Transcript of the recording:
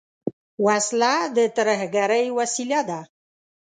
وسله د ترهګرۍ وسیله ده